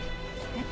えっ？